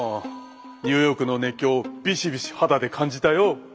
ニューヨークの熱狂をビシビシ肌で感じたよ。